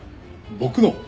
僕の？